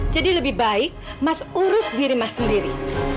jadi lebih baik mas urus diri mas sendiri